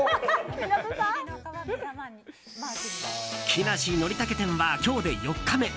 「木梨憲武展」は今日で４日目。